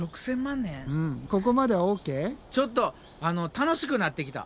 ちょっと楽しくなってきた。